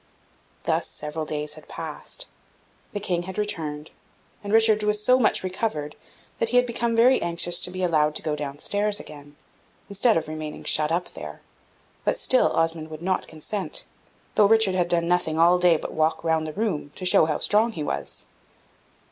Thus several days had passed, the King had returned, and Richard was so much recovered, that he had become very anxious to be allowed to go down stairs again, instead of remaining shut up there; but still Osmond would not consent, though Richard had done nothing all day but walk round the room, to show how strong he was.